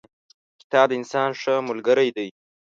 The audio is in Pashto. کتاب د انسان ښه ملګری دی.